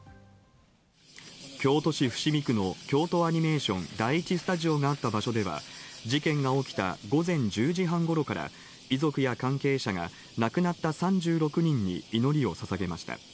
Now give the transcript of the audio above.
京都市伏見区の京都アニメーション第１スタジオがあった場所では事件が起きた午前１０時半頃から遺族や関係者がなくなった３６人に祈りをささげました。